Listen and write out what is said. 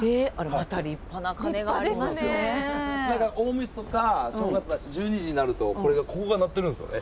大みそか正月１２時になるとここが鳴ってるんですよね。